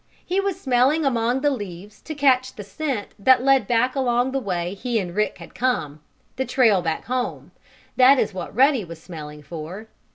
He was smelling among the leaves to catch the scent that led back along the way he and Rick had come the trail back home that is what Ruddy was smelling for.